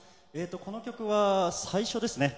この曲は、最初ですね。